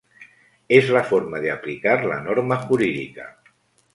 Es la forma de aplicar la norma jurídica.